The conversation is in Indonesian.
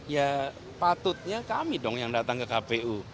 ya patutnya kami dong yang datang ke kpu